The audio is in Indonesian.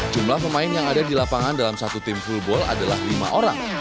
jumlah pemain yang ada di lapangan dalam satu tim fullball adalah lima orang